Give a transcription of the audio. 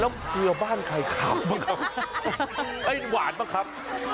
แล้วเกลือบ้านใครขาวบ้างครับหวานป่ะครับ